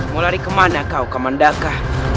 mau lari kemana kau kamandaka